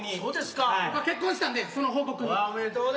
僕は結婚したんでその報告に。